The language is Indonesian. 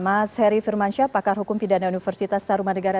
mas seri firmansyah pakar hukum pindahan universitas taruman negara